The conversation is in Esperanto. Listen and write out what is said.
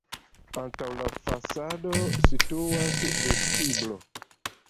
Antaŭ la fasado situas vestiblo.